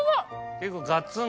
結構ガツンとね。